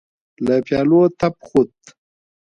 له پيالو تپ خوت.